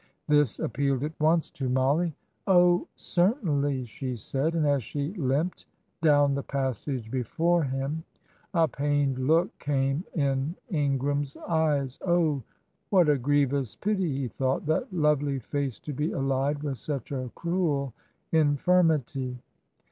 This appealed at once to Mollie. "Oh, certainly," she said; and as she limped down the passage before him, a pained look came in Ingram's eyes. "Oh, what a grievous pity," he thought, "that lovely face to be allied with such a cruel infirmity."